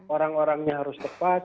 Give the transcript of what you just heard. orang orangnya harus tepat